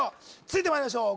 続いてまいりましょう